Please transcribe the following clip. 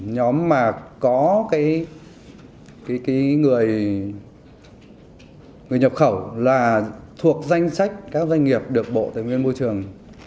nhóm mà có cái người nhập khẩu là thuộc danh sách các doanh nghiệp được bộ tài nguyên môi trường